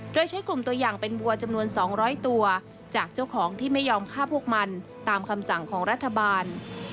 โดยใช้กลุ่มตัวอย่างเป็นวัวจำนวน๒๐๐ตัวจากเจ้าของที่ไม่ยอมฆ่าพวกมันตามคำสั่งของรัฐบาล